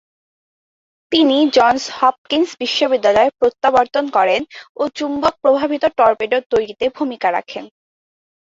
তিনি Johns Hopkins বিশ্ববিদ্যালয়ে প্রত্যাবর্তন করেন ও চুম্বক-প্রভাবিত টর্পেডো তৈরিতে ভূমিকা রাখেন।